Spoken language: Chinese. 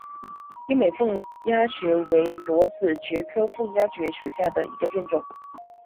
优美凤丫蕨为裸子蕨科凤丫蕨属下的一个变种。